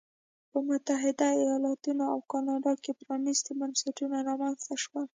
په متحده ایالتونو او کاناډا کې پرانیستي بنسټونه رامنځته شول.